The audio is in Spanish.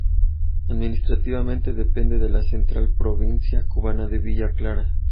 Administrativamente depende de la central provincia cubana de Villa Clara.